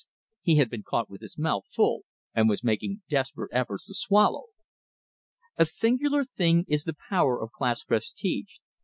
He had been caught with his mouth full, and was making desperate efforts to swallow. A singular thing is the power of class prestige!